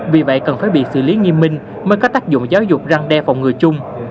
vì vậy cần phải bị xử lý nghiêm minh mới có tác dụng giáo dục răng đe phòng ngừa chung